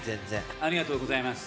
ありがとうございます。